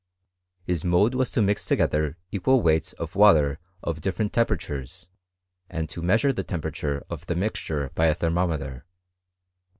His mode was to mix together equal weights of water of different temperatures, and to measure the temperature of the mixture by a thermometer.